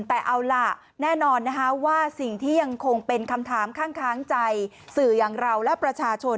แต่เอาล่ะแน่นอนนะคะว่าสิ่งที่ยังคงเป็นคำถามข้างค้างใจสื่ออย่างเราและประชาชน